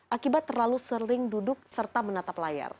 akibat terlalu sering duduk serta menatap layar